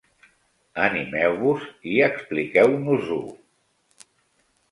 Animeu-vos i expliqueu-nos-ho.